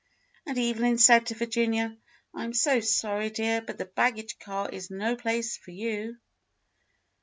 And Evelyn said to Virginia, "I am so sorry, dear, but the baggage car is no place for you."